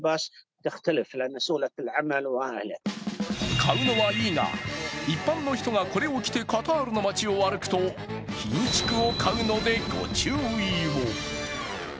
買うのはいいが、一般の人がこれを来てカタールの街を歩くとひんしゅくを買うのでご注意を。